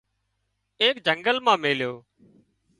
ايڪ جنگل مان ميليو